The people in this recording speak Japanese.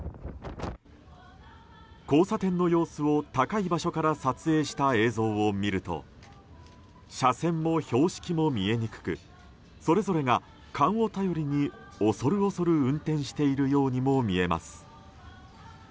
交差点の様子を高い場所から撮影した映像を見ると車線も標識も見えにくくそれぞれが勘を頼りに恐る恐る運転しているようにも見えます。